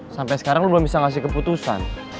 sampai sekarang lu belum bisa ngasih keputusan